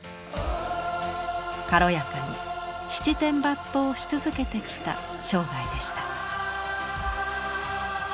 軽やかに七転八倒し続けてきた生涯でした。